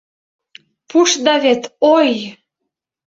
Пуштда вет, ой!